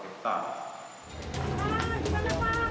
hai kita dapat